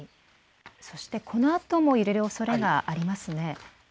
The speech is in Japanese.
このあとも揺れるおそれがありますね。